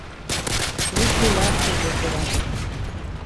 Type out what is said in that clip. Уигьы лацәажәозар акәхап?!